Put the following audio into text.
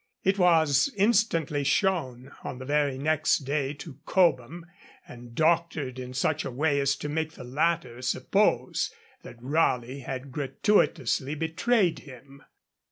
It was instantly shown, on the very next day, to Cobham, and doctored in such a way as to make the latter suppose that Raleigh had gratuitously betrayed him.